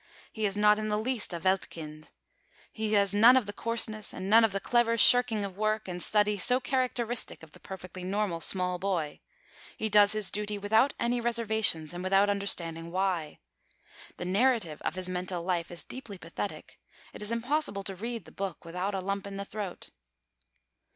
He is not in the least a Weltkind. He has none of the coarseness and none of the clever shirking of work and study so characteristic of the perfectly normal small boy. He does his duty without any reservations, and without understanding why. The narrative of his mental life is deeply pathetic. It is impossible to read the book without a lump in the throat.